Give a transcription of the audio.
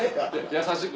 優しく。